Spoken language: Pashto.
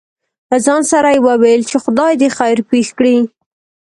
له ځان سره يې وويل :چې خداى دې خېر پېښ کړي.